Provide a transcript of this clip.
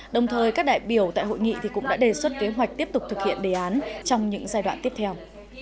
đồng thời các đại biểu tại hội nghị cũng đã đề xuất kế hoạch tiếp tục thực hiện đề án trong những giai đoạn tiếp theo